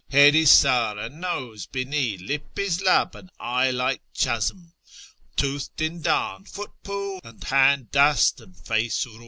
Head is sar, and nose hint, lip is lah, and eye like clmslim ; Tooth dindan, foot pd, and hand dast, and face rio.